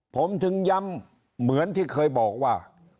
ผมถึงย้ำเหมือนที่เคยบอกว่า